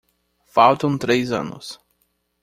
Faltam três anos